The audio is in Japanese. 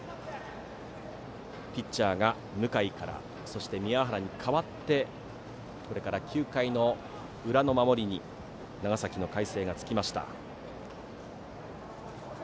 ピッチャーが向井から宮原に代わってこれから９回の裏の守りに長崎の海星がつきました。